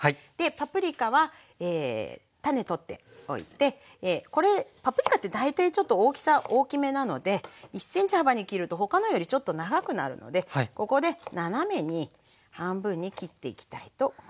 パプリカは種取っておいてこれパプリカって大体ちょっと大きさ大きめなので１ｃｍ幅に切ると他のよりちょっと長くなるのでここで斜めに半分に切っていきたいと思います。